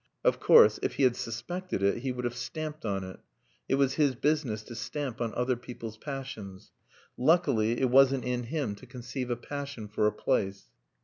Of course, if he had suspected it, he would have stamped on it. It was his business to stamp on other people's passions. Luckily, it wasn't in him to conceive a passion for a place.